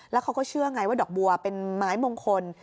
แล้วเขาก็เชื่อไงว่าดอกบัวเป็นไม้มงคล